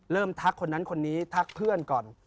ทักคนนั้นคนนี้ทักเพื่อนก่อน